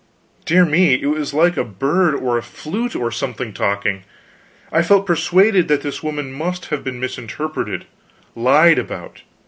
Dear me, it was like a bird or a flute, or something, talking. I felt persuaded that this woman must have been misrepresented, lied about.